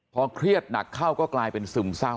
พอเครียดหนักเข้าก็กลายเป็นซึมเศร้า